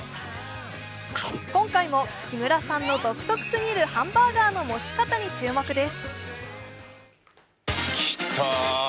今回も木村さんの独特すぎるハンバーガーの持ち方に注目です。